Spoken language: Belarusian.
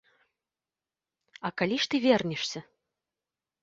А калі ж ты вернешся?